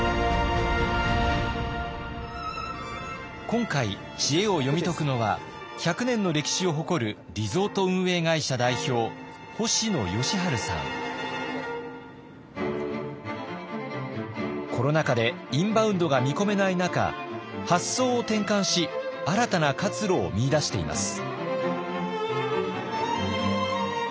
今回知恵を読み解くのは１００年の歴史を誇るコロナ禍でインバウンドが見込めない中発想を転換し新たな活路を見いだしています。